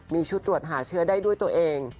มีชุดตรวจหาเชื้อได้ด้วยตัวเอง